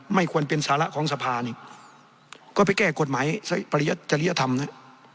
ไม่ควรเป็นสาระของสภานี่ก็ไปแก้กฎหมายปริยจริยธรรมนะ